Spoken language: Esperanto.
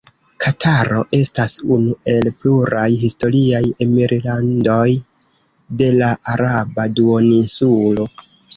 Kataro estas unu el pluraj historiaj emirlandoj de la Araba Duoninsulo.